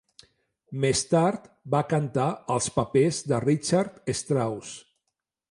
Més tard va cantar els papers de Richard Strauss.